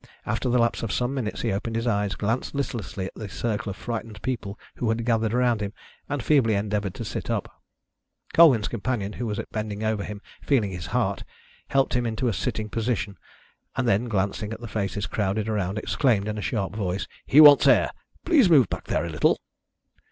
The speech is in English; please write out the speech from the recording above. After the lapse of some minutes he opened his eyes, glanced listlessly at the circle of frightened people who had gathered around him, and feebly endeavoured to sit up. Colwyn's companion, who was bending over him feeling his heart, helped him to a sitting posture, and then, glancing at the faces crowded around, exclaimed in a sharp voice: "He wants air. Please move back there a little."